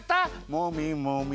もみもみ。